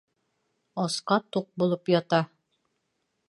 Асҡа туҡ булып ята.